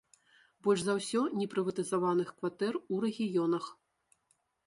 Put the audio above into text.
Больш за ўсё непрыватызаваных кватэр у рэгіёнах.